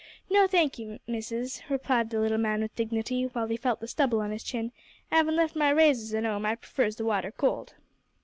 "No, thank you, Missis," replied the little man with dignity, while he felt the stubble on his chin; "'avin left my razors at 'ome, I prefers the water cold."